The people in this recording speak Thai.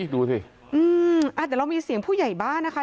ดูสิเดี๋ยวเรามีเสียงผู้ใหญ่บ้านนะคะ